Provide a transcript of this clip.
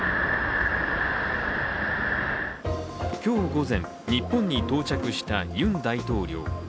今日午前、日本に到着したユン大統領。